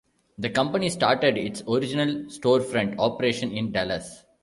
The company started its original storefront operation in Dallas.